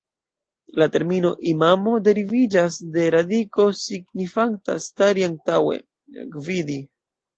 La termino "imamo" deriviĝas de radiko signifanta "stari antaŭe, gvidi".